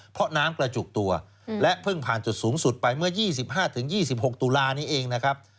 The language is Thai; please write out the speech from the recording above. เพราะน้ำกระจุกตัวและเพิ่งผ่านจุดสูงสุดไปเมื่อ๒๕๒๖ตุลานี้เองนะครับ